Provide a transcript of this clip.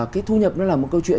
cái thu nhập nó là một câu chuyện